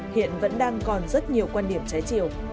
hiện vẫn đang còn rất nhiều quan điểm trái chiều